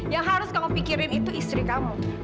yang harus kamu pikirin itu istri kamu